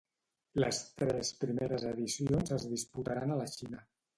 Les tres primeres edicions es disputaran a la Xina.